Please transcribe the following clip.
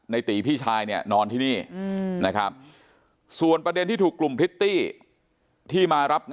นายตีพี่ชายนอนที่นี่ส่วนประเด็นที่ถูกกลุ่มพริตตี้